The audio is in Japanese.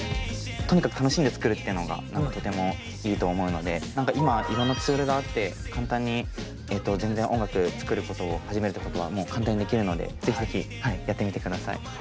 とにかく楽しんで作るっていうのがとてもいいと思うので何か今色んなツールがあって簡単に全然音楽作ることを始めるってことはもう簡単にできるので是非是非やってみてください。